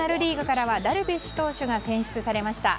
からはダルビッシュ投手が選出されました。